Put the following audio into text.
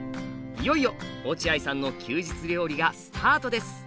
いよいよ落合さんの休日料理がスタートです。